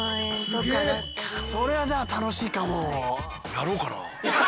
やろうかな。